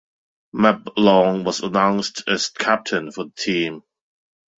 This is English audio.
Meb Long was announced as captain for the team.